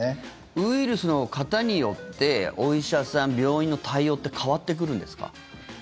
ウイルスの型によってお医者さん、病院の対応って変わってくるんですか？